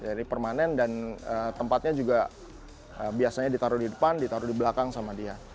jadi permanen dan tempatnya juga biasanya ditaruh di depan ditaruh di belakang sama dia